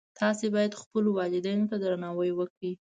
تاسو باید خپلو والدینو ته درناوی وکړئ